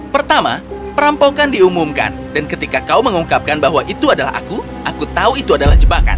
pertama perampokan diumumkan dan ketika kau mengungkapkan bahwa itu adalah aku aku tahu itu adalah jebakan